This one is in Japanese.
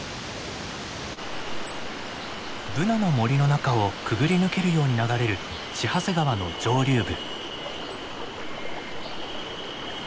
ブナの森の中をくぐり抜けるように流れる千走川の上流部。